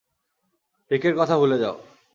রিকের কথা ভুলে যাও!